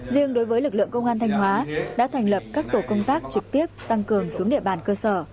riêng đối với lực lượng công an thanh hóa đã thành lập các tổ công tác trực tiếp tăng cường xuống địa bàn cơ sở